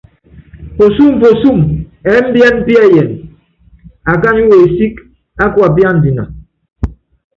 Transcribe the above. Puɔ́súm puɔ́súm ɛ́mbiɛ́n piɛ́yɛn, akány wesík á kuapíándina.